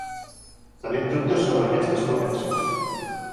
Tenim dubtes sobre aquestes ponències.